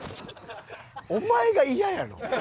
お前がイヤやろ？